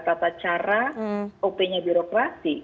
secara op nya birokrasi